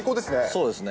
そうですね。